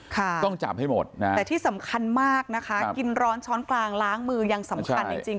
ต้องจับให้หมดนะแต่ที่สำคัญมากนะคะกินร้อนช้อนกลางล้างมือยังสำคัญจริงจริง